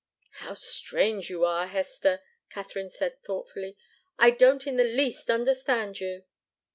"How strange you are, Hester!" Katharine said, thoughtfully. "I don't in the least understand you."